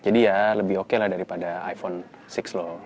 jadi ya lebih oke lah daripada iphone enam loh